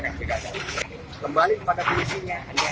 kembali kepada tulisannya ini adalah area berikut